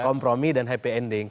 kompromi dan happy ending